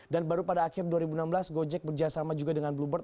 dan baru pada akhir dua ribu enam belas gojek berjasama juga dengan bluebird